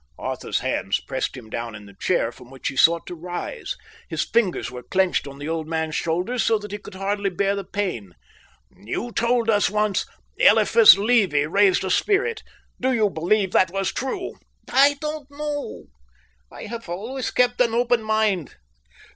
Arthur's hands pressed him down in the chair from which he sought to rise. His fingers were clenched on the old man's shoulders so that he could hardly bear the pain. "You told us how once Eliphas Levi raised a spirit. Do you believe that was true?" "I don't know. I have always kept an open mind.